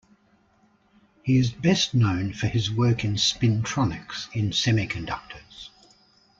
He is best known for his work in spintronics in semiconductors.